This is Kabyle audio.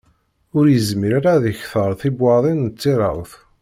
Ur yezmir ara ad d-yekter tibwaḍin n tirawt.